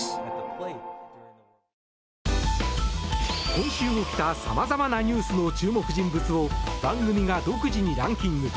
今週起きた様々なニュースの注目人物を番組が独自にランキング。